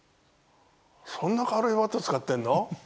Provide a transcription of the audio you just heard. そんな軽いバット使ってんの？